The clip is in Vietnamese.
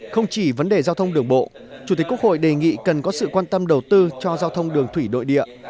với vấn đề giao thông đường bộ chủ tịch quốc hội đề nghị cần có sự quan tâm đầu tư cho giao thông đường thủy đội địa